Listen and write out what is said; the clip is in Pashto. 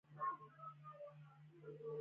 تر اوسه يوه هم د ډاکټر مخ نه دی ليدلی.